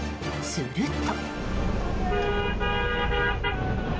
すると。